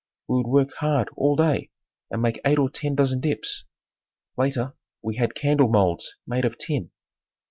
We would work hard all day and make eight or ten dozen dips. Later we had candle molds made of tin.